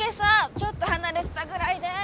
ちょっと離れてたぐらいで！